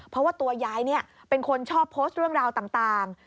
เพราะว่าตัวยายเป็นคนชอบโพสต์เรื่องราวต่าง